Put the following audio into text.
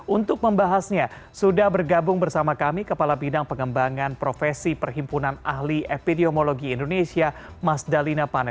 untuk membahasnya sudah bergabung bersama kami kepala bidang pengembangan profesi perhimpunan ahli epidemiologi indonesia mas dalina pane